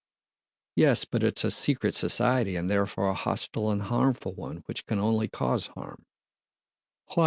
"Yes, but it's a secret society and therefore a hostile and harmful one which can only cause harm." "Why?